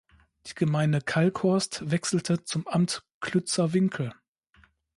Die Gemeinde Kalkhorst wechselte zum Amt Klützer Winkel.